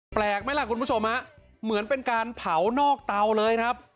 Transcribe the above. แปลกไหมล่ะคุณผู้ชมฮะเหมือนเป็นการเผานอกเตาเลยครับ